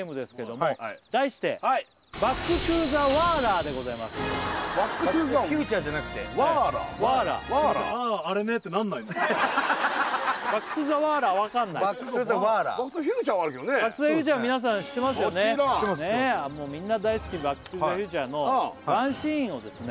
もちろんみんな大好き「バック・トゥ・ザ・フューチャー」のワンシーンをですね